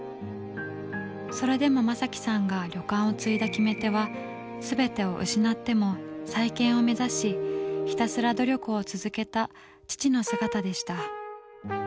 それでも将毅さんが旅館を継いだ決め手は全てを失っても再建を目指しひたすら努力を続けた父の姿でした。